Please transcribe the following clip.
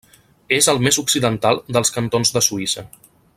És el més occidental dels cantons de Suïssa.